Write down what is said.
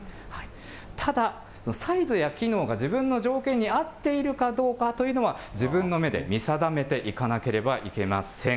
ただ、サイズや機能が自分の条件に合っているかどうかというのは、自分の目で見定めていかなければいけません。